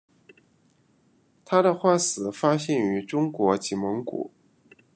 它的化石发现于中国及蒙古。